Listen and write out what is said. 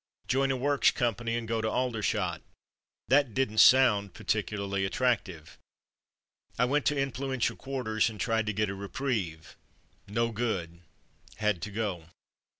Join a Works company and go to Al dershot — that didn't sound particularly at tractive. I went to influential quarters and tried to get a reprieve — no good — had to go.